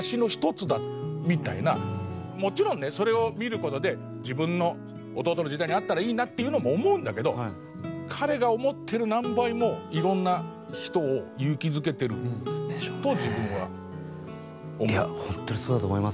もちろんねそれを見る事で自分の弟の時代にあったらいいなっていうのも思うんだけど彼が思ってる何倍もいろんな人を勇気付けてると自分は思う。